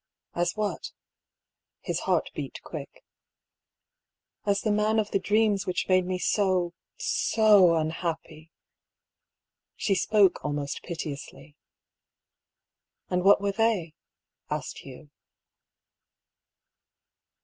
"As what ?" His heart beat quick. " As the man of the dreams which made me so — so unhappy." She spoke almost piteously. " And what were they ?" asked Hugh.